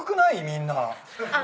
みんな。